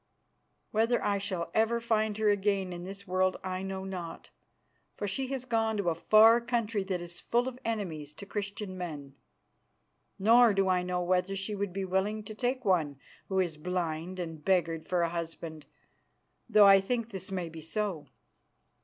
Whether I shall ever find her again in this world I know not, for she has gone to a far country that is full of enemies to Christian men. Nor do I know whether she would be willing to take one who is blind and beggared for a husband, though I think this may be so."